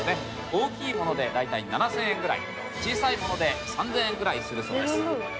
大きいもので大体７０００円ぐらい小さいもので３０００円ぐらいするそうです。